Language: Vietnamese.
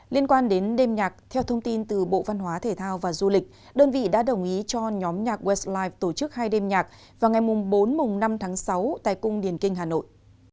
liên quan đến đêm nhạc theo thông tin từ bộ văn hóa thể thao và du lịch đơn vị đã đồng ý cho nhóm nhạc west tổ chức hai đêm nhạc vào ngày bốn năm tháng sáu tại cung điển kinh hà nội